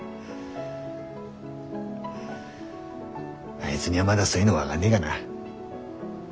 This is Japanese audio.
あいづにはまだそういうの分がんねえがな。